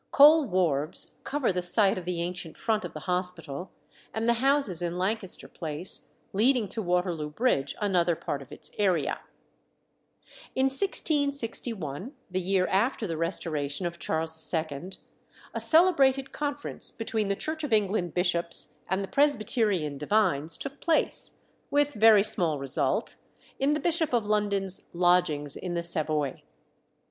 Coal wharves cover the site of the ancient front of the hospital, and the houses in Lancaster Place, leading to Waterloo Bridge, another part of its area. In 1661, the year after the restoration of Charles II., a celebrated conference between the Church of England bishops and the Presbyterian divines took place, with very small result, in the Bishop of London's lodgings in the Savoy.